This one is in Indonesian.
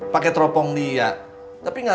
pakai teropong dia